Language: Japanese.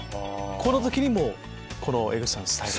この時にもう江口さんスタイル。